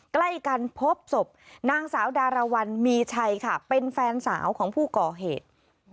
ใกล้กันพบศพนางสาวดารวรรณมีชัยค่ะเป็นแฟนสาวของผู้ก่อเหตุ